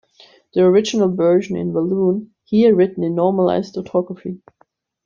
The original version in Walloon, here written in normalized orthography.